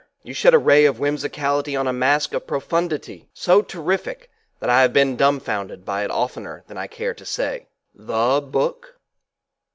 You shed a ray of whimsicality on a mask of profundity so terrific that I have been dumbfounded by it oftener than I care to say. TT^book?